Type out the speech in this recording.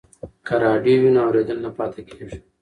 که راډیو وي نو اورېدل نه پاتې کیږي.